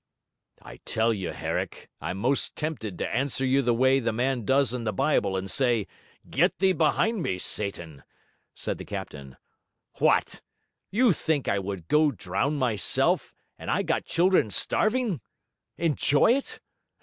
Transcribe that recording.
'I tell you, Herrick, I'm 'most tempted to answer you the way the man does in the Bible, and say, "Get thee behind me, Satan!"' said the captain. 'What! you think I would go drown myself, and I got children starving? Enjoy it?